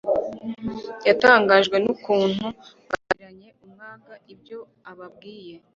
Yatangajwe n’ukuntu bakiranye umwaga ibyo ababwiye.